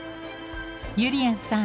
ゆりやんさん